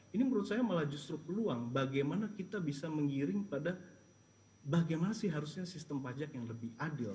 ini menurut saya malah justru peluang bagaimana kita bisa mengiring pada bagaimana sih harusnya sistem pajak yang lebih adil